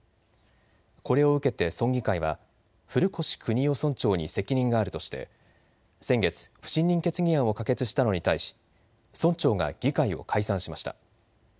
これを受けて村議会は古越邦男村長に責任があるとして先月、不信任決議案を可決したのに対し村長が議会を解散しました。